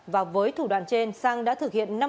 và với thủ đoạn trên sang đã thực hiện